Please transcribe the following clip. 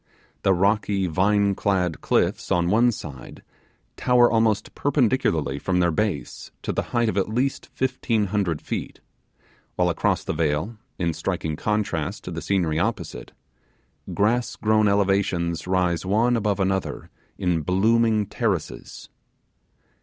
The rocky vine clad cliffs on one side tower almost perpendicularly from their base to the height of at least fifteen hundred feet; while across the vale in striking contrast to the scenery opposite grass grown elevations rise one above another in blooming terraces.